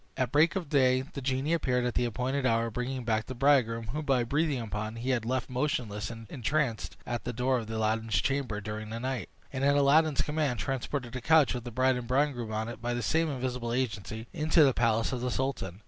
At break of day the genie appeared at the appointed hour, bringing back the bridegroom, whom, by breathing upon, he had left motionless and entranced at the door of Aladdin's chamber during the night; and, at Aladdin's command, transported the couch with the bride and bridegroom on it, by the same invisible agency, into the palace of the sultan.